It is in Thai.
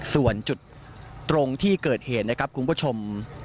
ส่วนจุดตรงที่เกิดเหตุนะครับคุณผู้ชม